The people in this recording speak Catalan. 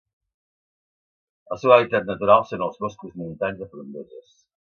El seu hàbitat natural són els boscos montans de frondoses.